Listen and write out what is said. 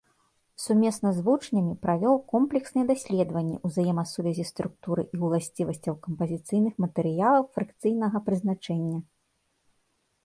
Сумесна з вучнямі правёў комплексныя даследаванні ўзаемасувязі структуры і уласцівасцяў кампазіцыйных матэрыялаў фрыкцыйнага прызначэння.